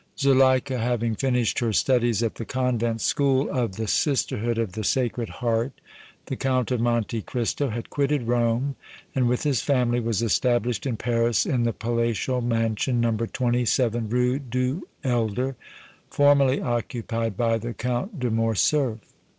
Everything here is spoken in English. Zuleika, having finished her studies at the convent school of the Sisterhood of the Sacred Heart, the Count of Monte Cristo had quitted Rome and, with his family, was established in Paris in the palatial mansion, No. 27 Rue du Helder, formerly occupied by the Count de Morcerf.